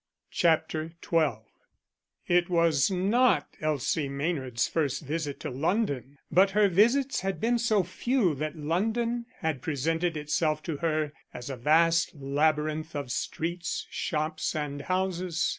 CHAPTER XII IT was not Elsie Maynard's first visit to London, but her visits had been so few that London had presented itself to her as a vast labyrinth of streets, shops and houses.